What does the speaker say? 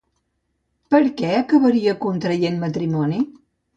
Per què acabaria contraient matrimoni?